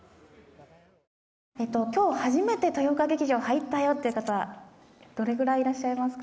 きょう初めて豊岡劇場入ったよっていう方どれぐらいいらっしゃいますか？